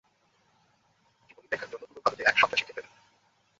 জীবনী লেখার জন্য পুরো ভারতে এক সন্ত্রাসীকে পেলেন?